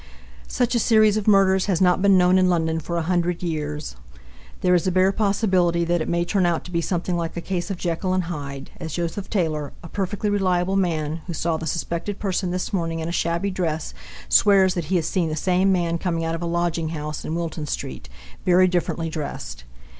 Such a series of murders has not been known in London for a hundred years. There is a bare possibility that it may turn out to be something like a case of Jekyll and Hyde, as Joseph Taylor, a perfectly reliable man, who saw the suspected person this morning in a shabby dress, swears that he has seen the same man coming out of a lodging house in Wilton street very differently dressed.